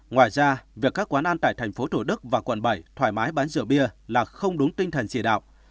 ngoài ra việc các quán ăn tại thành phố thủ đức và quận bảy thoải mái bán rượu bia là không đúng tinh thần chỉ đạo